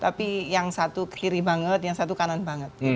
tapi yang satu kiri banget yang satu kanan banget